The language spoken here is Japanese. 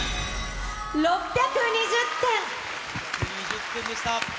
６２０点でした。